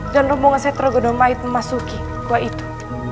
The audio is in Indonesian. dan rombongan seterogonomaid memasuki gua itu